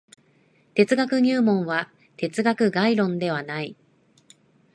哲学入門は哲学概論ではない。